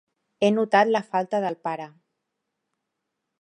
He notat la falta del pare.